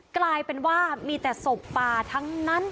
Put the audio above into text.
กลายเป็นว่ามีแต่ศพป่าทั้งนั้น